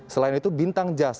selain itu bintang jasa